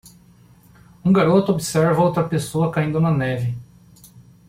Um garoto observa outra pessoa caindo na neve.